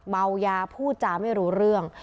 เมายาพูดจาไม่รู้เรื่อง